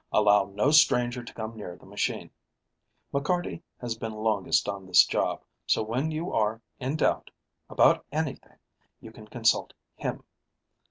Allow no stranger to come near the machine. McCarty has been longest on this job, so when you are in doubt about anything you can consult him.